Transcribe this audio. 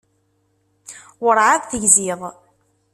Urεad tegziḍ.